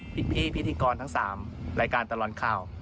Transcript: พี่พิธีกรทั้ง๓รายการตลอดข่าว